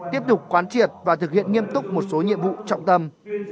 tiếp tục quán triệt và thực hiện nghiêm túc một số nhiệm vụ trọng tâm